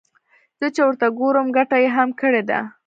زه چې ورته ګورم ګټه يې هم کړې ده.